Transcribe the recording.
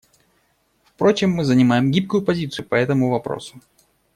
Впрочем, мы занимаем гибкую позицию по этому вопросу.